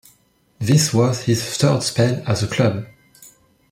This was his third spell at the club.